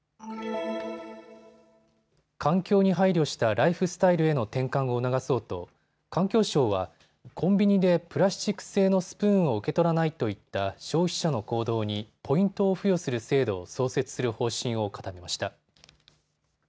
環境に配慮したライフスタイルへの転換を促そうと環境省はコンビニでプラスチック製のスプーンを受け取らないといった消費者の行動にポイントを付与する制度を創設する方針を固めました。